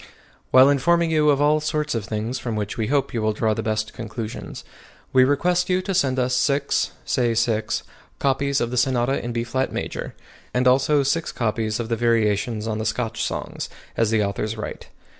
While informing you of all sorts of things from which we hope you will draw the best conclusions, we request you to send us six (say 6) copies of the Sonata in B flat major, and also six copies of the variations on the Scotch songs, as the author's right.